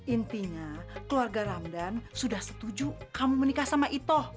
intinya keluarga ramdan sudah setuju kamu menikah sama ito